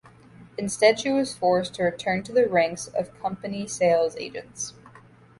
Instead she was forced to return to the ranks of company sales agents.